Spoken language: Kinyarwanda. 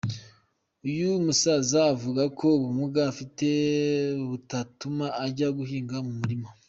Uyu musaza avuga ko ubumuga afite butatuma ajya guhinga mu murima.